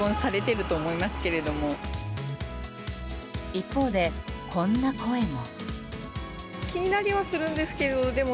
一方で、こんな声も。